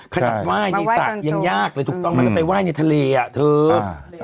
ใช่ว่ายในศักดิ์ยังยากเลยถูกต้องมันต้องไปว่ายในทะเลอ่ะถืออ่า